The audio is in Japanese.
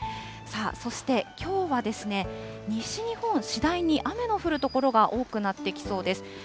そして、きょうはですね、西日本、次第に雨の降る所が多くなってきそうです。